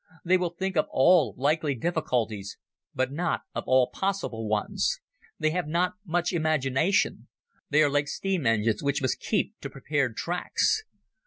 They will think of all likely difficulties, but not of all possible ones. They have not much imagination. They are like steam engines which must keep to prepared tracks.